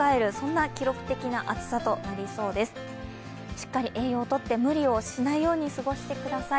しっかり栄養とって、無理をしないように過ごしてください。